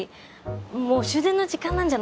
もう終電の時間なんじゃ？